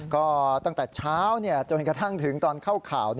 ก็ตั้งแต่เช้าจนกระทั่งถึงตอนเข้าข่าว